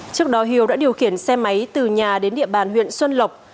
trước đó hiếu đã điều khiển xe máy từ nhà đến địa bàn huyện xuân lộc